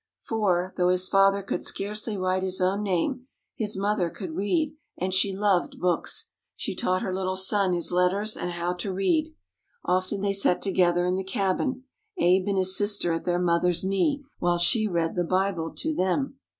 For, though his father could scarcely write his own name, his mother could read, and she loved books. She taught her little son his letters and how to read. Often they sat together in the cabin, Abe and his sister at their mother's knee, while she read the Bible to them.